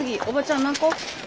おばちゃん何個？